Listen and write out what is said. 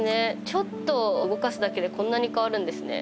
ちょっと動かすだけでこんなに変わるんですね。